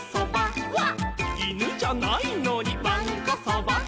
「いぬじゃないのにわんこそば」」